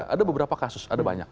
ada beberapa kasus ada banyak